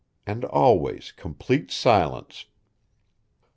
And always complete silence.